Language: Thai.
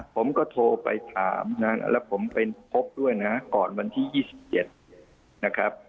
ผมก็โทรไปถามนะแล้วผมไปพบด้วยนะก่อนวันที่๒๗นะครับ